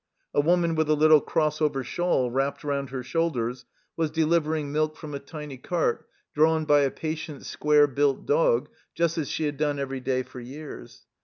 A woman with a little cross over shawl wrapped round her shoulders was delivering milk from a tiny cart THE START 13 drawn by a patient square built dog, just as she had done every day for years.